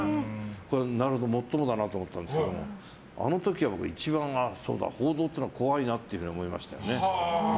なるほど、もっともだなと思ったんですけどあの時は僕、一番そうだ、報道というのは怖いなって思いましたよね。